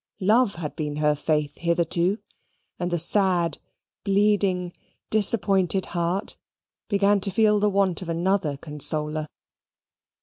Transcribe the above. Love had been her faith hitherto; and the sad, bleeding disappointed heart began to feel the want of another consoler.